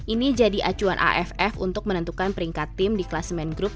ini jadi acuan aff untuk menentukan peringkat tim di klasemen group